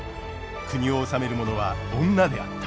国を治める者は女であった。